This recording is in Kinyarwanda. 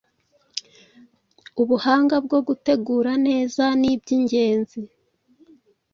Ubuhanga bwo gutegura neza nibyingenzi